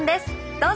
どうぞ！